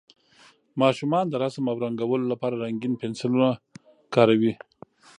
ماشومان د رسم او رنګولو لپاره رنګین پنسلونه کاروي.